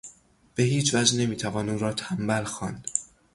به هیچوجه نمیتوان او را تنبل خواند.